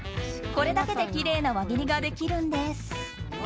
これだけできれいな輪切りができるんです。